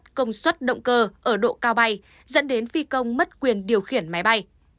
nhiều khả năng máy bay bị mất công suất động cơ ở độ cao bay dẫn đến phi công mất quyền điều khiển máy bay